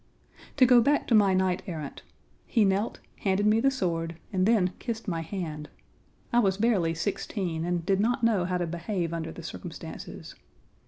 To go back to my knight errant: he knelt, handed me the sword, and then kissed my hand. I was barely sixteen and did not know how to behave under the circumstances.